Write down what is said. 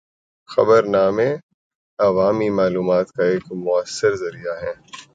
خبرنامے عوامی معلومات کا ایک مؤثر ذریعہ ہیں۔